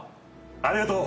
ありがとう。